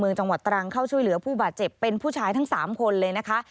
จังหวัดตรังเข้าช่วยเหลือผู้บาดเจ็บเป็นผู้ชายทั้ง๓คนเลยนะคะ